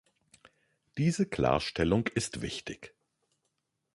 Diese Klarstellung ist wichtig.